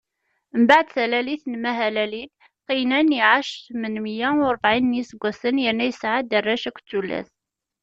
Mbeɛd talalit n Mahalalil, Qiynan iɛac tmen meyya u ṛebɛin n iseggasen, yerna yesɛa-d arrac akked tullas.